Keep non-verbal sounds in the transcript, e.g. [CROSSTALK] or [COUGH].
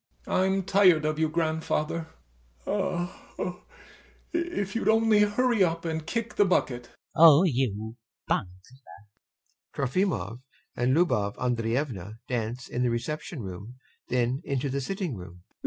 I'm tired of you, grandfather. [YAWNS] If you'd only hurry up and kick the bucket. FIERS. Oh you... bungler! [Mutters.] [TROFIMOV and LUBOV ANDREYEVNA dance in the reception room, then into the sitting room.